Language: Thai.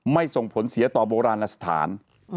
ส่งผลเสียต่อโบราณสถาน